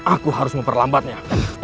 aku harus memperlambatnya